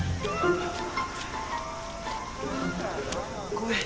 ごめん。